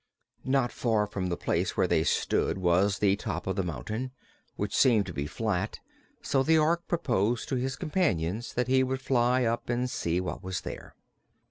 Not far from the place where they stood was the top of the mountain, which seemed to be flat, so the Ork proposed to his companions that he would fly up and see what was there.